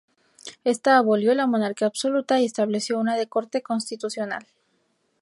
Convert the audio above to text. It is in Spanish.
Esta abolió la monarquía absoluta y estableció una de corte constitucional.